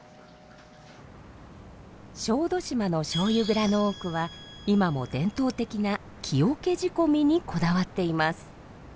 小豆島のしょうゆ蔵の多くは今も伝統的な木桶仕込みにこだわっています。